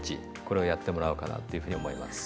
これをやってもらおうかなっていうふうに思います。